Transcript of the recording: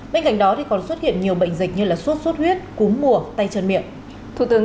bên cạnh đó còn xuất hiện nhiều bệnh dịch như suốt suốt huyết cúm mùa tay chân miệng